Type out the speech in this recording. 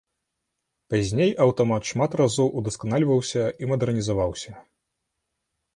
Пазней аўтамат шмат разоў удасканальваўся і мадэрнізаваўся.